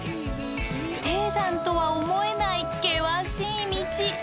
低山とは思えない険しい道。